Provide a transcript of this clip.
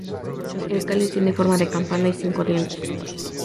El cáliz tiene forma de campana y con cinco dientes.